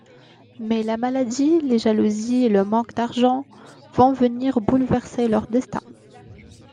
Mais la maladie, les jalousies et le manque d'argent vont venir bouleverser leur destin.